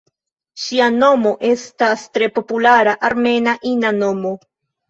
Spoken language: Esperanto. Ŝia nomo estas tre populara armena ina nomo.